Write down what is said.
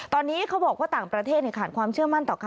ตอนนี้เขาบอกว่าต่างประเทศขาดความเชื่อมั่นต่อการ